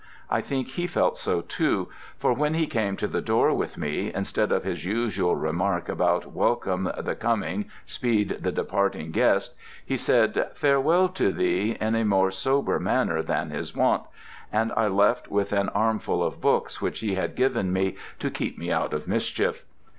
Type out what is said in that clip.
I think he felt so, too, for when he came to the door with me, instead of his usual remark about 'Welcome the coming, speed the parting guest,' he said, 'Farewell to thee' in a more sober manner than his wont—and I left with an armful of books which he had given me 'to keep me out of mischief.'